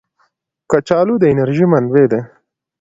کچالو د انرژۍ منبع ده